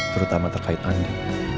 terutama terkait andi